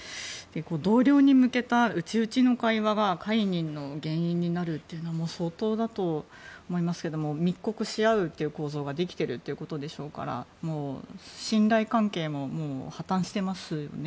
同僚に向けた内々の会話が解任の原因になるのは相当だと思いますけれども密告し合う構造ができているということでしょうから信頼関係も破綻してますよね。